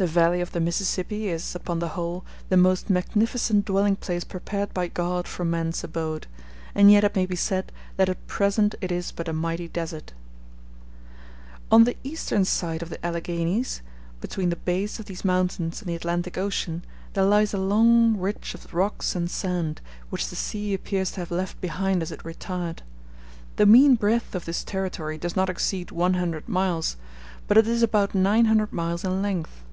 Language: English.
*d The valley of the Mississippi is, upon the whole, the most magnificent dwelling place prepared by God for man's abode; and yet it may be said that at present it is but a mighty desert. d [ See Appendix, A.] On the eastern side of the Alleghanies, between the base of these mountains and the Atlantic Ocean, there lies a long ridge of rocks and sand, which the sea appears to have left behind as it retired. The mean breadth of this territory does not exceed one hundred miles; but it is about nine hundred miles in length.